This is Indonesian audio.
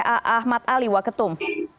ini disampaikan oleh ahmad ali wa ketum